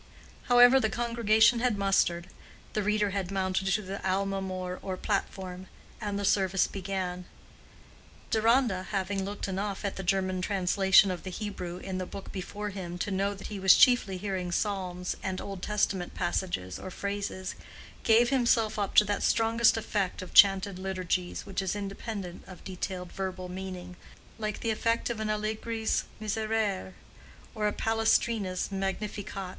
However, the congregation had mustered, the reader had mounted to the almemor or platform, and the service began. Deronda, having looked enough at the German translation of the Hebrew in the book before him to know that he was chiefly hearing Psalms and Old Testament passages or phrases, gave himself up to that strongest effect of chanted liturgies which is independent of detailed verbal meaning—like the effect of an Allegri's Miserere or a Palestrina's Magnificat.